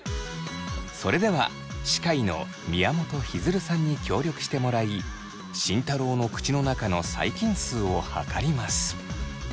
それでは歯科医の宮本日出さんに協力してもらい慎太郎の口の中の細菌数を測ります。